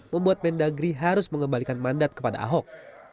membuat mendagri harus mengembalikan mandat kepada ahok